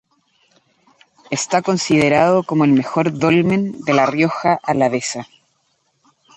Está considerado como el mejor dolmen de la Rioja Alavesa.